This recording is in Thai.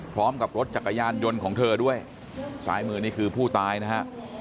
พร้อมกับรถจักรยานยนต์ของเธอด้วยซ้ายมือนี่คือผู้ตายนะฮะ